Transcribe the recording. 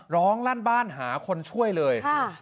ลั่นบ้านหาคนช่วยเลย